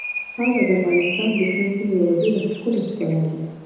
خاوره د افغانستان د شنو سیمو یوه ډېره ښکلې ښکلا ده.